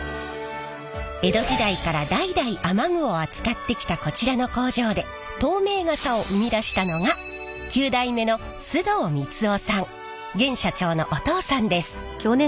江戸時代から代々雨具を扱ってきたこちらの工場で透明傘を生み出したのが現社長のお父さんです。